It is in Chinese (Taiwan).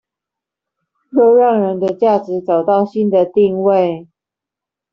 又讓人的價值找到新的定位